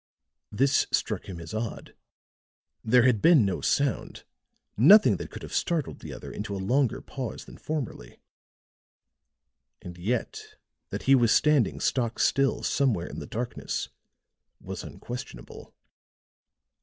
This struck him as odd; there had been no sound, nothing that could have startled the other into a longer pause than formerly; and yet that he was standing stock still somewhere in the darkness was unquestionable.